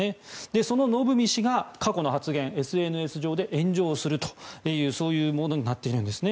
そののぶみ氏が過去の発言、ＳＮＳ上で炎上するというものになっているんですね。